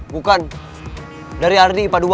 bukan dari ardi ipa dua